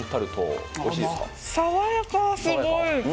爽やか、すごい。